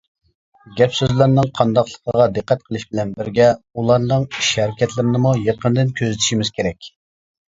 گەپ- سۆزلەرنىڭ قانداقلىقىغا دىققەت قىلىش بىلەن بىرگە ئۇلارنىڭ ئىش- ھەرىكەتلىرىنىمۇ يېقىندىن كۆزىتىشىمىز كېرەك.